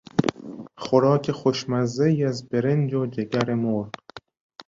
خوراک خوشمزهای از برنج و جگر مرغ